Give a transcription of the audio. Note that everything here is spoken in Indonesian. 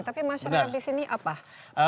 tapi masyarakat di sini apa